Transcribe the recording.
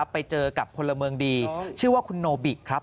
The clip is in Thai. ไปเจอกับพลเมืองดีชื่อว่าคุณโนบิครับ